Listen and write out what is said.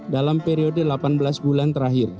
dalam periode delapan belas bulan terakhir